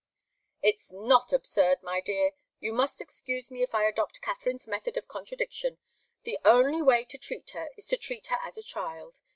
"It's not absurd, my dear. You must excuse me if I adopt Katharine's method of contradiction. The only way to treat her is to treat her as a child.